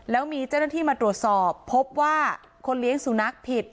แล้วมีเจ้าหน้าที่มาตรวจสอบพบว่าคนเลี้ยงสุนัขผิด